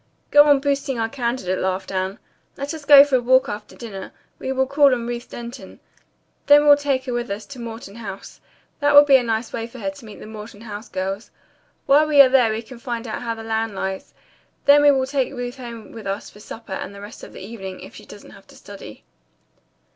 "Go on boosting our candidate," laughed Anne. "Let us go for a walk after dinner. We will call on Ruth Denton. Then we'll take her with us to Morton House. That will be a nice way for her to meet the Morton House girls. While we are there we can find out how the land lies. Then we will take Ruth home with us for supper and the rest of the evening, if she doesn't have to study."